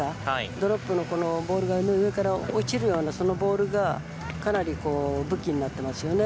ドロップで上から落ちるようなそのボールがかなり武器になっていますよね。